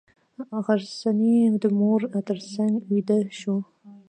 غرڅنۍ د مور تر څنګه ویده شوه.